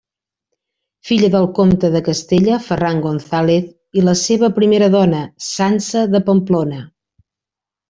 Filla del comte de Castella Ferran González i la seva primera dona Sança de Pamplona.